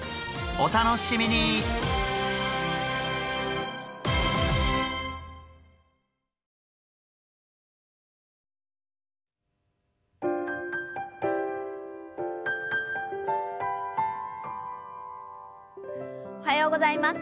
おはようございます。